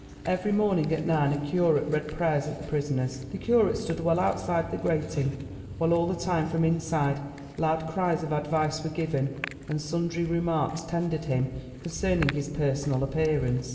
Every morning at nine a curate read prayers at the prisoners. The curate stood well outside the grating; while all the time from inside loud cries of advice were given and sundry remarks tendered him concerning his personal appearance.